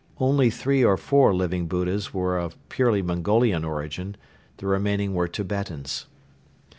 Only three or four Living Buddhas were of purely Mongolian origin; the remainder were Tibetans.